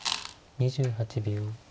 ２８秒。